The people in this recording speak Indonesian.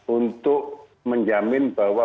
untuk menjamin bahwa